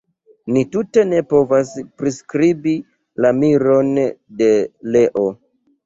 Ni tute ne povas priskribi la miron de Leo.